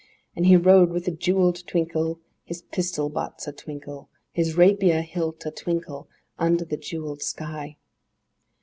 And he rode with a jewelled twinkle, His pistol butts a twinkle, His rapier hilt a twinkle, under the jewelled sky.